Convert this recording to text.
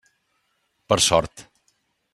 Per sort.